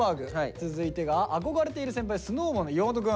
続いてが憧れている先輩ＳｎｏｗＭａｎの岩本くん。